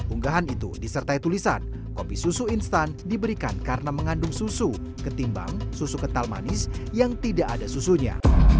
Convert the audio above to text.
unggahan itu disertai tulisan kopi susu instan diberikan karena mengandung susu ketimbang susu kental manis yang tidak ada susunya